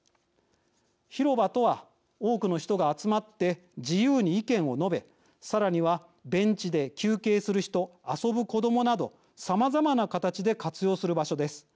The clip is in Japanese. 広場とは、多くの人が集まって自由に意見を述べ、さらにはベンチで休憩する人遊ぶ子どもなどさまざまな形で活用する場所です。